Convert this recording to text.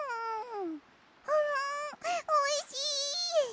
んおいしい！